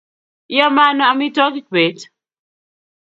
Iame ano amitwogikab beet?